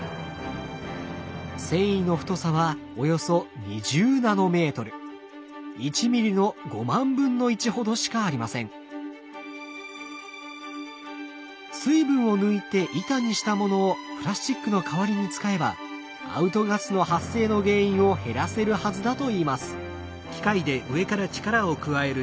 繊維の太さはおよそ水分を抜いて板にしたものをプラスチックの代わりに使えばアウトガスの発生の原因を減らせるはずだといいます。